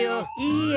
いいえ